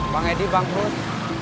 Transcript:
bang edi bangkrut